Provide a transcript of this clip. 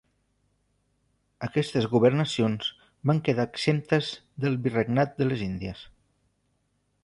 Aquestes governacions van quedar exemptes del Virregnat de les Índies.